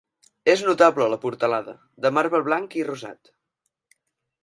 És notable la portalada, de marbre blanc i rosat.